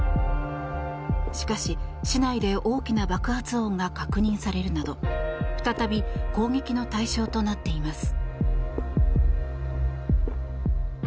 しかし、市内で大きな爆発音が確認されるなど再び攻撃の対象となっています。